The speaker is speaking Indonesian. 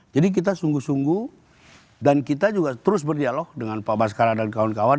jadi kita sungguh sungguh dan kita juga terus berdialog dengan pak baskara dan kawan kawan